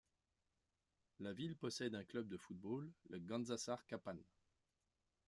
La ville possède un club de football, le Gandzasar Kapan.